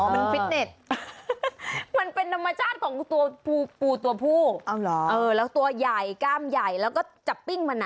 มันฟิตเน็ตมันเป็นธรรมชาติของตัวปูตัวผู้แล้วตัวใหญ่กล้ามใหญ่แล้วก็จับปิ้งมันอ่ะ